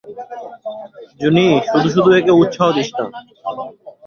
জুনি, শুধু শুধু একে উৎসাহ দিস না।